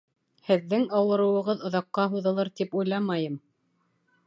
Һеҙҙең ауырыуығыҙ оҙаҡҡа һуҙылыр тип уйламайым